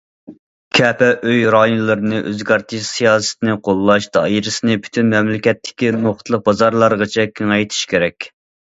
كەپە ئۆي رايونلىرىنى ئۆزگەرتىش سىياسىتىنى قوللاش دائىرىسىنى پۈتۈن مەملىكەتتىكى نۇقتىلىق بازارلارغىچە كېڭەيتىش كېرەك.